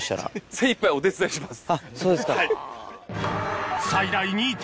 精いっぱいお手伝いします。